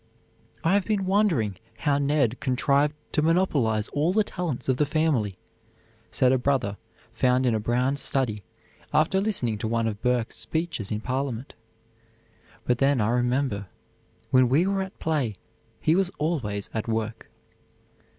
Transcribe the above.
"I have been wondering how Ned contrived to monopolize all the talents of the family," said a brother, found in a brown study after listening to one of Burke's speeches in Parliament; "but then I remember; when we were at play, he was always at work."